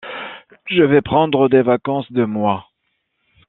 je vais prendre des vacances de moi.